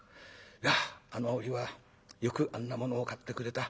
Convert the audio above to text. いやあの折はよくあんなものを買ってくれた。